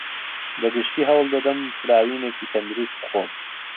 بەگشتی هەوڵدەدەم فراوینێکی تەندروست بخۆم.